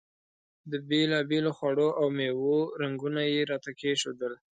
د بېلابېلو خوړو او میوو رنګونه یې راته کېښودل.